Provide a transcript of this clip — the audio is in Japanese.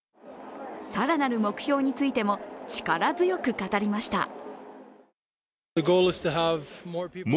更なる目標についても力強く語りました。